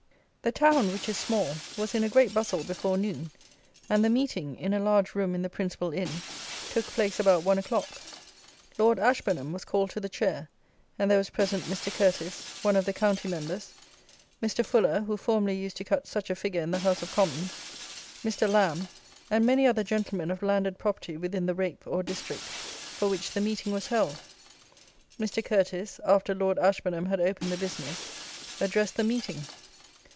The town, which is small, was in a great bustle before noon; and the Meeting (in a large room in the principal inn) took place about one o'clock. Lord Ashburnham was called to the chair, and there were present Mr. Curteis, one of the county members, Mr. Fuller, who formerly used to cut such a figure in the House of Commons, Mr. Lambe, and many other gentlemen of landed property within the Rape, or district, for which the Meeting was held. Mr. Curteis, after Lord Ashburnham had opened the business, addressed the Meeting.